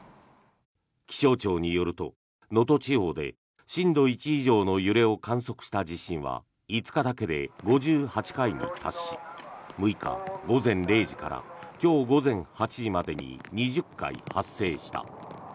気象庁によると能登地方で震度１以上の揺れを観測した地震は５日だけで５８回に達し６日午前０時から今日午前８時までに２０回発生した。